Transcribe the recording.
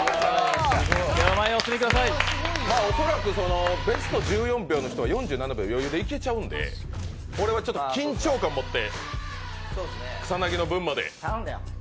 恐らくベスト１４秒の人は４７秒、余裕でいけちゃうんで、これはちょっと緊張感持って草薙の分まで。